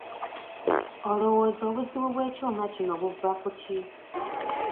Olowooza obuzibu bw'ekyuma kino buva ku ki?